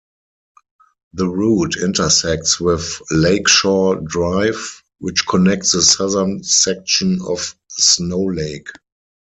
The route intersects with Lakeshore Drive, which connects the southern section of Snow Lake.